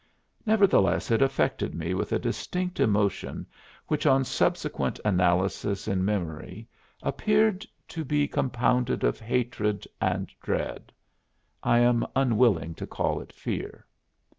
Nevertheless it affected me with a distinct emotion which on subsequent analysis in memory appeared to be compounded of hatred and dread I am unwilling to call it fear.